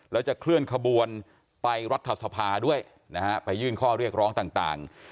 แล้วจะเคลื่อนขบวนไปรัฐสภาด้วยนะฮะไปยื่นข้อเรียกร้องต่าง